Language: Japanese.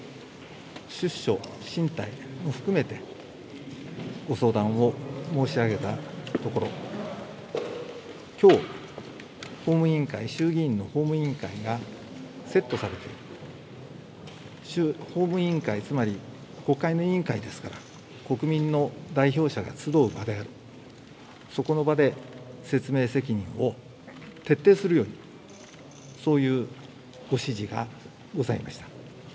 出処進退も含めてご相談を申し上げたところ、きょう、法務委員会、衆議院の法務委員会がセットされて、法務委員会、つまり国会の委員会ですから、国民の代表者が集う場である、そこの場で説明責任を徹底するように、そういうご指示がございました。